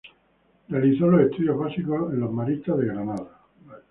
Realizó los estudios básicos en los Maristas de Granada.